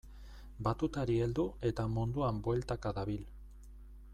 Batutari heldu eta munduan bueltaka dabil.